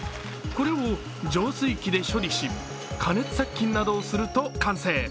これを浄水機で処理し加熱殺菌などをすると完成。